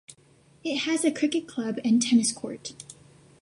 It has a cricket club and tennis court.